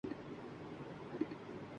رگوں میں دوڑتے پھرنے کے ہم نہیں قائل